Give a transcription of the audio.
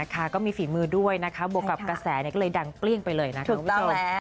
ก็มีฝีมือด้วยนะคะบวกกับกระแสก็เลยดังเปรี้ยงไปเลยนะคุณผู้ชม